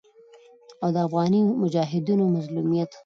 او د افغاني مجاهدينو مظلوميت